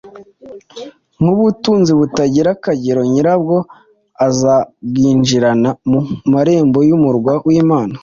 nk’ubutunzi butagira akagero, nyirarwo azarwinjirana mu marembo y’umurwa w’imana.